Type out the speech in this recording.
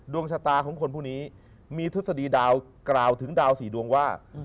ดวงชะตาของคนพวกนี้มีทฤษฎีดาวกล่าวถึงดาวสี่ดวงว่า